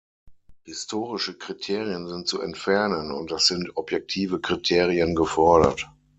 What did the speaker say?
Historische Kriterien sind zu entfernen, und es sind objektive Kriterien gefordert.